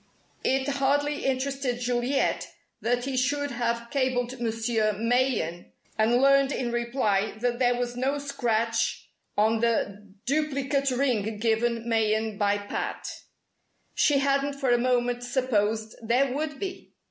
It hardly interested Juliet that he should have cabled Monsieur Mayen and learned in reply that there was no scratch on the duplicate ring given Mayen by Pat. She hadn't for a moment supposed there would be!